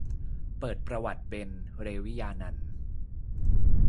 เปิดประวัติ เบญ เรวิญานันท์